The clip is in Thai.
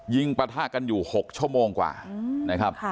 ปะทะกันอยู่๖ชั่วโมงกว่านะครับ